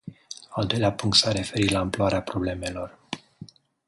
Al doilea punct s-a referit la amploarea problemelor.